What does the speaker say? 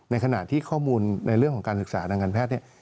ในขณะที่ข้อมูลในเรื่องของการศึกษาทางการแพทย์เนี่ย